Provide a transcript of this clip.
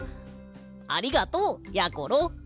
ありがとうやころ。